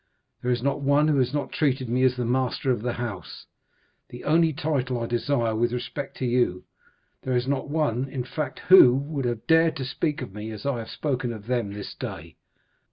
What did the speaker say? There is not one who has not treated me as the master of the house,—the only title I desire with respect to you; there is not one, in fact, who would have dared to speak of me as I have spoken of them this day.